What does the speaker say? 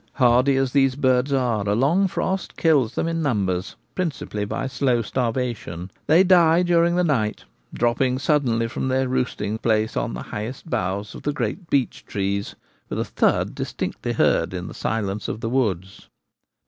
Hardy as these birds are, a long frost kills them in numbers, principally by slow starvation. They die during the night, dropping suddenly from their roosting place on the highest boughs of the great beech trees, with a thud distinctly heard in the silence of the woods.